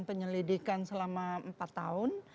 penyelidikan selama empat tahun